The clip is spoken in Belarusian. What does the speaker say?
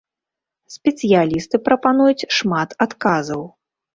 Спецыялісты прапануюць шмат адказаў.